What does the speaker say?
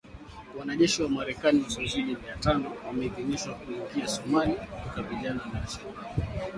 Wanajeshi wa Marekani wasiozidi mia tano wameidhinishwa kuingia Somalia kukabiliana na Al Shabaab